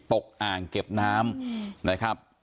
อ่างเก็บน้ำนะครับ